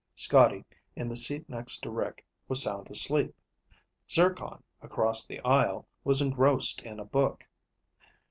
Scotty, in the seat next to Rick, was sound asleep. Zircon, across the aisle, was engrossed in a book.